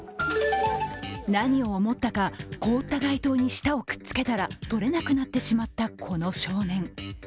何を思ったか、凍った街灯に舌をくっつけたらとれなくなってしまったこの少年。